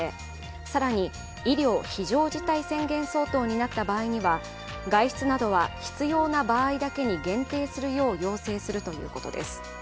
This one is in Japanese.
更に医療非常事態宣言相当になった場合には外出などは必要な場合だけに限定するよう要請するということです。